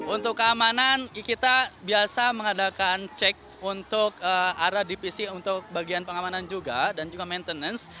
untuk keamanan kita biasa mengadakan cek untuk arah dpc untuk bagian pengamanan juga dan juga maintenance